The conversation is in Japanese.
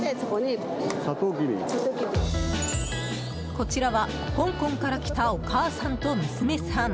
こちらは、香港から来たお母さんと娘さん。